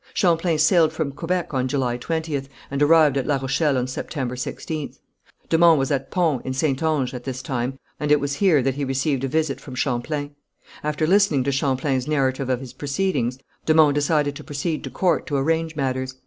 Champlain sailed from Quebec on July 20th, and arrived at La Rochelle on September 16th. De Monts was at Pons, in Saintonge, at this time, and it was here that he received a visit from Champlain. After listening to Champlain's narrative of his proceedings, de Monts decided to proceed to court to arrange matters.